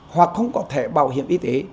hoặc không có thẻ bảo hiểm y tế